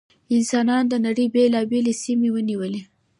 انسانانو د نړۍ بېلابېلې سیمې ونیولې.